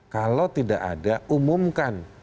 kalau tidak ada umumkan